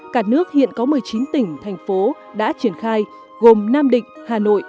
cả nước hiện có một mươi chín tỉnh thành phố đã triển khai gồm nam định hà nội